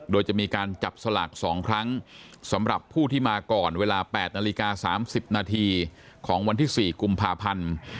โดยจะมีการจับสลาก๒ครั้งสำหรับผู้ที่มาก่อนเวลา๘นาฬิกา๓๐นาทีของวันที่๔กุมภาพันธ์